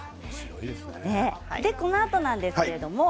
このあとなんですけれども。